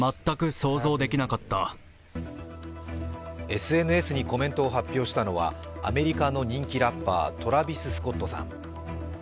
ＳＮＳにコメントを発表したのはアメリカの人気ラッパー、トラビス・スコットさん。